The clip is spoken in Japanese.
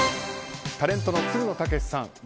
タレントのつるの剛士さん